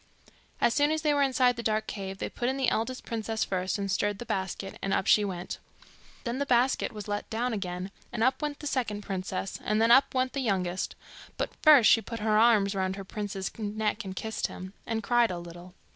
As soon as they were inside the dark cave, they put in the eldest princess first, and stirred the basket, and up she went. Then the basket was let down again, and up went the second princess, and then up went the youngest; but first she put her arms round her prince's neck, and kissed him, and cried a little.